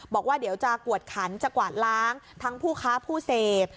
บอกว่าเดี๋ยวจะกวดขันจะกวาดล้างทั้งผู้ค้าผู้เสพ